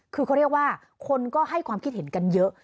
คือเขาเรียกว่าคนก็ให้ความคิดเห็นกันเยอะ